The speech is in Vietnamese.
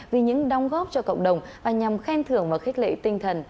vì những đồng góp cho cộng đồng và nhằm khen thưởng và khích lệ tinh thần